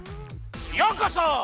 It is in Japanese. ようこそ！